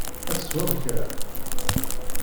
Ad tesweḍ kra?